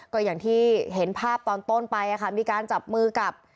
ก็อย่างที่เห็นภาพตอนต้นไปมีการจับมือกับ